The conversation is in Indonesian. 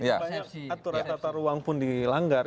banyak aturan tata ruang pun dilanggar